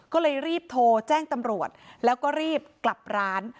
ก็เลยรีบโทรแจ้งตำรวจแล้วก็รีบกลับร้าน